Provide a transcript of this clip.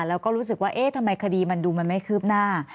แล้วก็รู้สึกว่าเอ๊ะทำไมคดีมันดูมันไม่คืบหน้า